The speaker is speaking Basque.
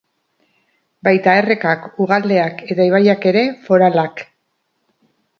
Baita errekak, ugaldeak eta ibaiak ere, foralak.